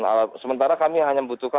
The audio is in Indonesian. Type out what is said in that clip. alat sementara kami hanya membutuhkan